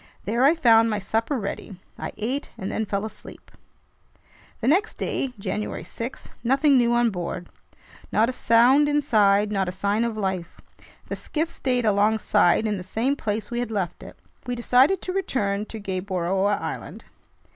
There I found my supper ready. I ate and then fell asleep. The next day, January 6: nothing new on board. Not a sound inside, not a sign of life. The skiff stayed alongside in the same place we had left it. We decided to return to Gueboroa Island.